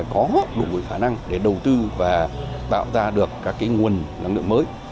có đủ khả năng để đầu tư và tạo ra được các nguồn năng lượng mới